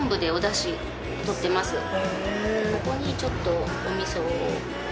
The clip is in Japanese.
そこにちょっとお味噌を。